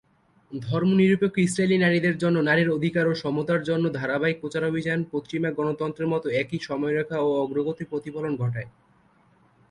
ধর্মনিরপেক্ষ ইসরায়েলি নারীদের জন্য নারীর অধিকার ও সমতার জন্য ধারাবাহিক প্রচারাভিযান পশ্চিমা গণতন্ত্রের মতো একই সময়রেখা ও অগ্রগতির প্রতিফলন ঘটায়।